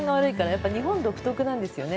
やっぱり日本独特なんですよね